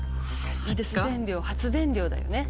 発電量発電量だよね。